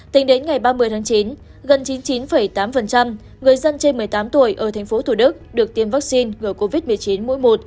tính đến ngày ba mươi tháng chín gần chín mươi chín tám người dân trên một mươi tám tuổi ở tp thủ đức được tiêm vaccine ngừa covid một mươi chín mỗi một